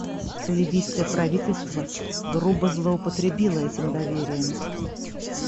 Ливийское правительство грубо злоупотребило этим доверием.